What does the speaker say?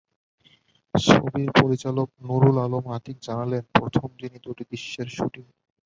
ছবির পরিচালক নূরুল আলম আতিক জানালেন, প্রথম দিনই হয়েছে দুটি দৃশ্যের শুটিং।